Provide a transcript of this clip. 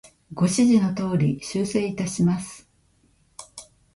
ご指示の通り、修正いたします。